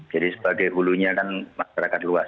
jadi sebagai hulunya kan masyarakat luas